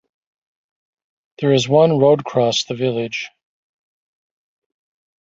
There is one road-crossed the village.